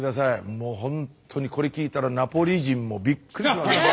もうほんとにこれ聞いたらナポリ人もびっくりしますね。